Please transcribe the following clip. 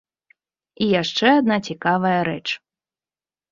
І яшчэ адна цікавая рэч.